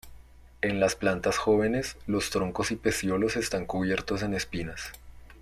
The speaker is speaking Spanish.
En las plantas jóvenes, los troncos y pecíolos están cubiertos en espinas.